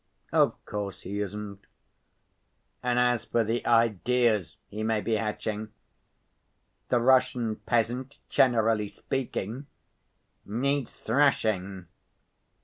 "Of course he isn't." "And as for the ideas he may be hatching, the Russian peasant, generally speaking, needs thrashing.